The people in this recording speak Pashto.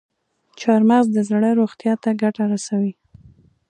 چارمغز د زړه روغتیا ته ګټه رسوي.